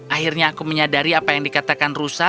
akhirnya aku menyadari apa yang dikatakan rusa